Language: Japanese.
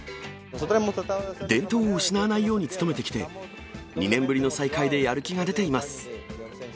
伝統を失わないように努めてきて、２年ぶりの再開でやる気が出ています。